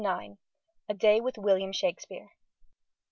_ A DAY WITH WILLIAM SHAKESPEARE.